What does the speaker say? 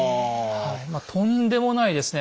まあとんでもないですね